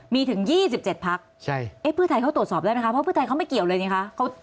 มีถึง๒๗พักเพื่อไทยเขาตรวจสอบได้ไหมคะเพราะเพื่อไทยเขาไม่เกี่ยวเลยนี่คะ